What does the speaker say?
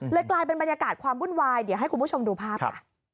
เลยกลายเป็นบรรยากาศความบุ่นวายให้คุณผู้ชมดูภาพค่ะ